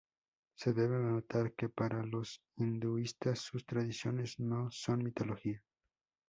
Se debe notar que para los hinduistas sus tradiciones no son mitología.